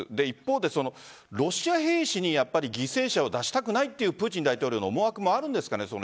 一方で、ロシア兵士に犠牲者を出したくないというプーチン大統領の思惑もあるんですかね？